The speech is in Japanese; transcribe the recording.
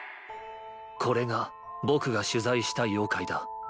これがぼくが取材した妖怪だ。